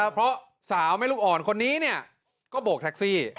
เพราะสาวแม่ลูกอ่อนคนนี้ก็โบกแท็กซี่